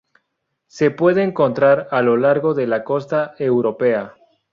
Se puede encontrar a lo largo de la costa europea.